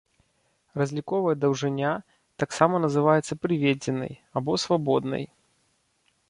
Разліковая даўжыня, таксама называецца прыведзенай або свабоднай.